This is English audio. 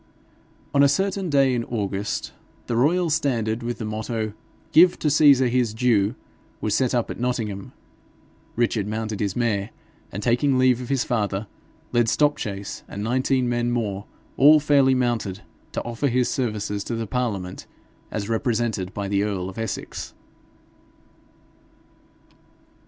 On a certain day in August, the royal standard, with the motto, 'Give to Caesar his due,' was set up at Nottingham. Richard mounted his mare, and taking leave of his father, led Stopchase and nineteen men more, all fairly mounted, to offer his services to the parliament, as represented by the earl of Essex.